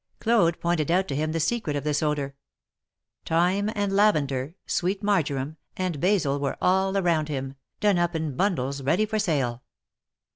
Claude pointed out to him the secret of this odor. Thyme and lavender, sweet marjoram and basil were all around him, done up in bundles ready for sale.